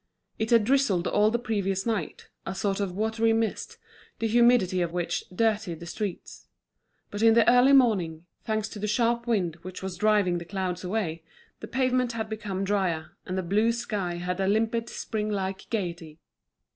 It had drizzled all the previous night, a sort of watery mist, the humidity of which dirtied the streets; but in the early morning, thanks to the sharp wind which was driving the clouds away, the pavement had become drier, and the blue sky had a limpid, spring like gaiety.